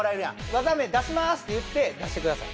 「技名出します」って言って出してください